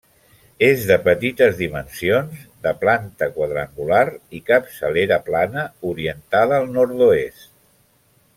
És de petites dimensions, de planta quadrangular i capçalera plana, orientada al nord-oest.